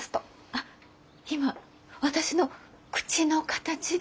あ今私の口の形で？